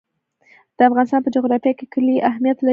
د افغانستان په جغرافیه کې کلي اهمیت لري.